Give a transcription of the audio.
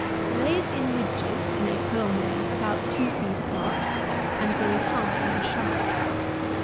Lay it in ridges in April or May about two feet apart, and made high and sharp.